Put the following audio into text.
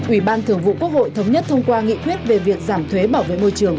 ủy ban thường vụ quốc hội thống nhất thông qua nghị quyết về việc giảm thuế bảo vệ môi trường